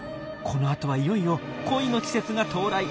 この後はいよいよ恋の季節が到来。